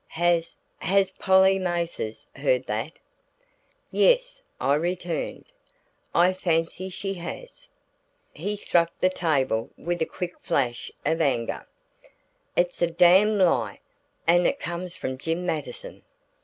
"Has has Polly Mathers heard that?" "Yes," I returned, "I fancy she has." He struck the table with a quick flash of anger. "It's a damned lie! And it comes from Jim Mattison."